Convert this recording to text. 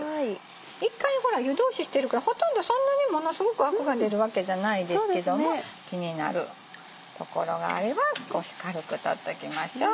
一回湯通ししてるからほとんどそんなにものすごくアクが出るわけじゃないですけども気になる所があれば少し軽く取っときましょう。